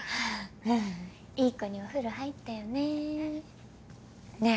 いい子にお風呂入ったよねねえ